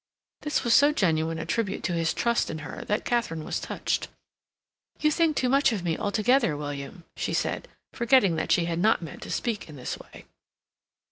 This was so genuine a tribute to his trust in her that Katharine was touched. "You think too much of me altogether, William," she said, forgetting that she had not meant to speak in this way.